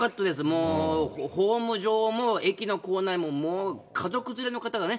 もうホーム上も駅の構内ももう、家族連れの方がね、